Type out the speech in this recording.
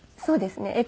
そうですね。